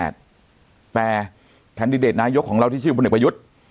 แต่แคนดิเดตนายกของเราที่ชื่อพลเอกประยุทธ์